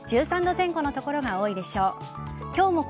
１３度前後の所が多いでしょう。